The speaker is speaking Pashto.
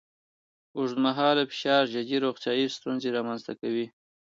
اوږدمهاله فشار جدي روغتیایي ستونزې رامنځ ته کوي.